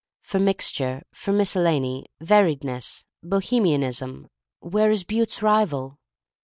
For mixture, for miscel lany — variedness, Bohemianism — where is Butte's rival?